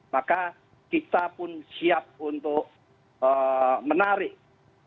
maka kita pun siap untuk menarik